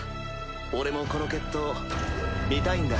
俺もこの決闘見たいんだ。